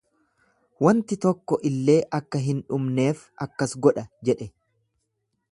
Wanti tokko illee akka hin dhumneef akkas godha jedhe.